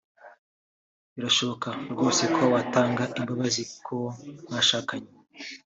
birashoboka rwose ko watanga imbabazi kuwo mwashakanye